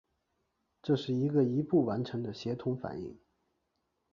这是一个一步完成的协同反应。